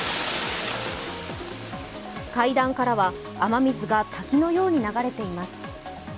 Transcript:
階段からは雨水が滝のように流れています。